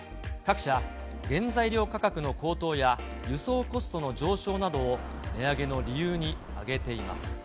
各社、原材料価格の高騰や、輸送コストの上昇などを値上げの理由に挙げています。